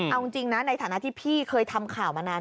เอาจริงนะในฐานะที่พี่เคยทำข่าวมานาน